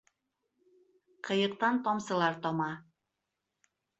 Ҡыйыҡтан тамсылар тама.